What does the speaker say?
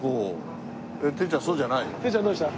てっちゃんどうした？